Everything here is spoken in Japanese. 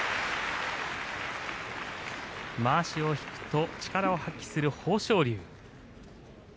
まわしを引くと力を発揮する豊昇龍。